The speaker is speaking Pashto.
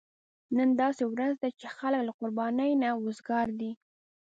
نن داسې ورځ ده چې خلک له قربانۍ نه وزګار دي.